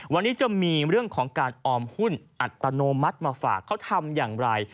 วันนี้จะมีเรื่องของการออมหุ้นอัตโนมัติมาฝากเขาทำอย่างไร